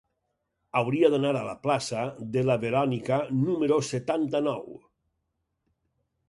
Hauria d'anar a la plaça de la Verònica número setanta-nou.